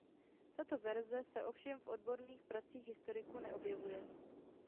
Tato verze se ovšem v odborných pracích historiků neobjevuje.